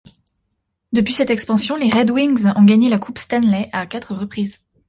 Depuis cette expansion, les Red Wings ont gagné la Coupe Stanley à quatre reprises.